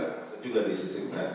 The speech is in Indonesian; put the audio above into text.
bisa juga disisipkan